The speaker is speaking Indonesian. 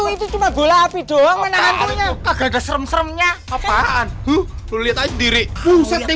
itu cuma bola api doang menangannya kagak serem seremnya apaan tuh lihat aja sendiri